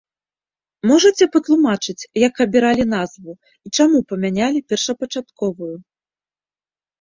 Можаце патлумачыць, як абіралі назву і чаму памянялі першапачатковую?